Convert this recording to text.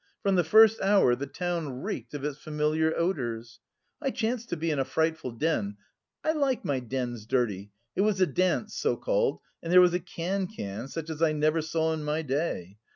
From the first hour the town reeked of its familiar odours. I chanced to be in a frightful den I like my dens dirty it was a dance, so called, and there was a cancan such as I never saw in my day.